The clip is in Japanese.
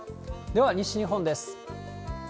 では西日本です。